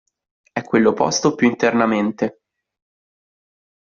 È quello posto più internamente.